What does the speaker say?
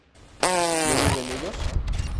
¿no viven ellos?